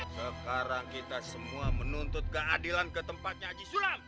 sekarang kita semua menuntut keadilan ke tempatnya haji sulang